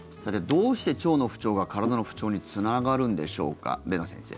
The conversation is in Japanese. どうして腸の不調が体の不調につながるのでしょうか辨野先生。